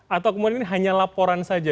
atau kemudian ini hanya laporan saja